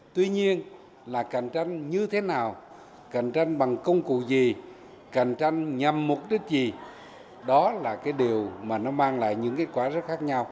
tuy nhiên là cạnh tranh như thế nào cạnh tranh bằng công cụ gì cạnh tranh nhầm mục đích gì đó là điều mang lại những kết quả rất khác nhau